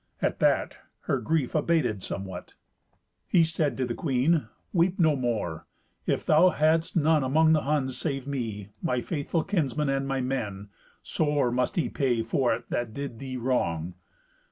At that, her grief abated somewhat. He said to the queen, "Weep no more. If thou hadst none among the Huns save me, my faithful kinsmen, and my men, sore must he pay for it that did thee wrong."